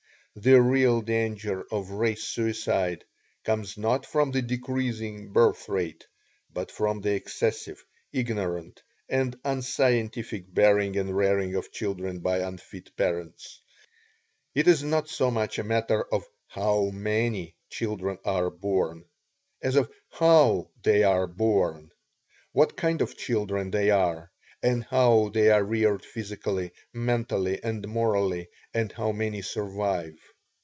The real danger of Race Suicide comes not from the decreasing birth rate, but from the excessive, ignorant, and unscientific bearing and rearing of children by unfit parents. It is not so much a matter of HOW MANY children are born, as of HOW they are born, what kind of children they are, and how they are reared physically, mentally and morally, and how many survive.